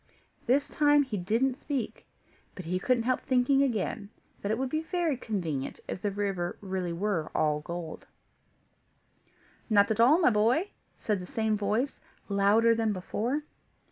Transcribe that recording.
This time he didn't speak, but he couldn't help thinking again that it would be very convenient if the river were really all gold. "Not at all, my boy," said the same voice, louder than before.